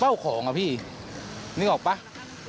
เป้าของครับพี่นึกออกไหม